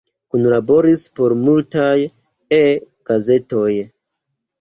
Kunlaboris por multaj E-gazetoj.